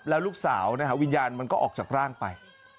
แล้วลูกสาววิญญาณมันก็ออกจากร่างไป